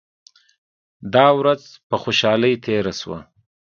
دا ورځ په خوشالۍ تیره شوه.